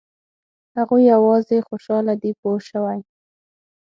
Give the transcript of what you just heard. هغوی یوازې خوشاله دي پوه شوې!.